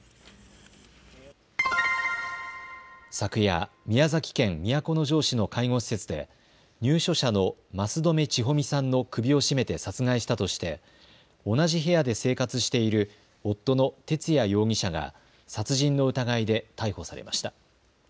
昨夜、宮崎県都城市の介護施設で入所者の益留千保美さんの首を締めて殺害したとして同じ部屋で生活している夫の哲也容疑者が殺人の疑いで逮捕されました。